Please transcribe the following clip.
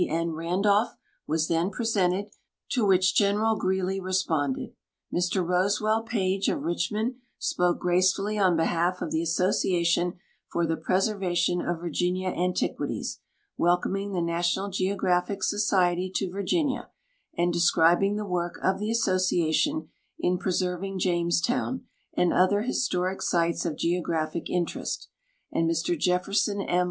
N. Randolph, was then presented, to which General Greely re sponded. INIr Rosewell Page, of Richmond, spoke gracefully on behalf of the Association for the Preservation of Virginia An tiquities, welcoming the National Geographic Society to Virginia, and describing tlie work of the Association in preserving James town and other historic sites of geographic interest ; and Mr Jef ferson M.